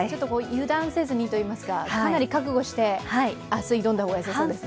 油断せずにといいますか、かなり覚悟して明日挑んだ方が良さそうです。